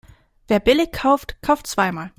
Wer billig kauft, kauft zweimal.